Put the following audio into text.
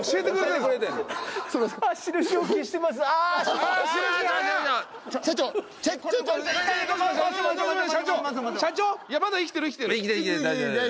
いやまだ生きてる生きてる。